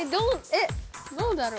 えっどうだろ。